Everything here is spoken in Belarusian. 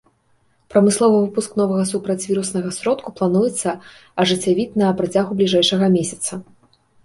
Прамысловы выпуск новага супрацьвіруснага сродку плануецца ажыццявіць на працягу бліжэйшага месяца.